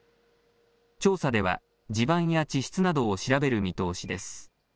調査では地盤や地質などを調べる見通しです。